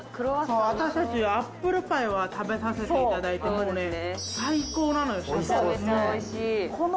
私たちはアップルパイは食べさせていただいて、もうね、最高なのよ。